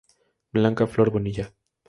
Blanca Flor Bonilla.